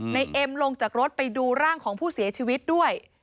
เอ็มลงจากรถไปดูร่างของผู้เสียชีวิตด้วย